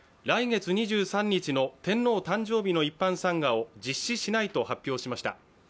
来月２３日の天皇誕生日の一般参賀を実施しないと発表しました。